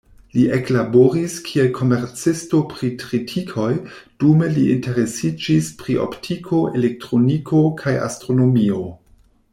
Li eklaboris, kiel komercisto pri tritikoj, dume li interesiĝis pri optiko, elektroniko kaj astronomio.